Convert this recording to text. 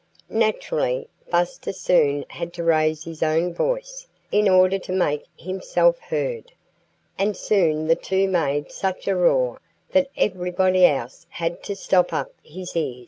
Naturally, Buster soon had to raise his own voice, in order to make himself heard. And soon the two made such a roar that everybody else had to stop up his ears.